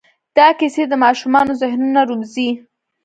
دا کیسې د ماشومانو ذهنونه روزي.